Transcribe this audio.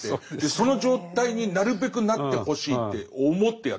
その状態になるべくなってほしいって思ってやってます。